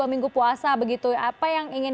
minggu puasa begitu apa yang ingin